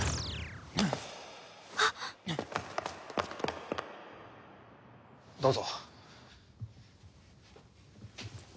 あっ！どうぞ。